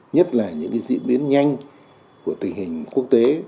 nhất là những diễn biến nhanh của tình hình quốc tế